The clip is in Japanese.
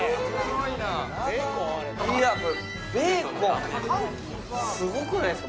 いやベーコンすごくないですか？